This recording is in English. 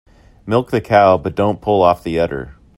Milk the cow but don't pull off the udder.